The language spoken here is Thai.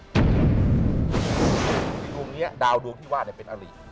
เดี๋ยวมีดาวที่ว่าเป็นอริ